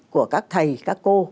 của các thầy các cô